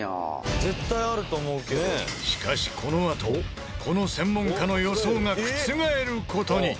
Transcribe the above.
しかしこのあとこの専門家の予想が覆る事に。